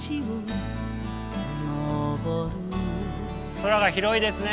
空が広いですね。